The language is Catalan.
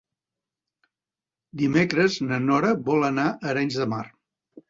Dimecres na Nora vol anar a Arenys de Mar.